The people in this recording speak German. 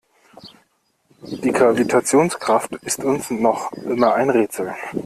Die Gravitationskraft ist uns noch immer ein Rätsel.